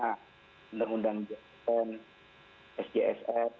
undang undang jpn sjsf